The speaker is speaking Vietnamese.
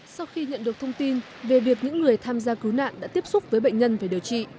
sau khi nhận được thông tin về việc những người tham gia cứu nạn đã tiếp xúc với bệnh nhân phải điều trị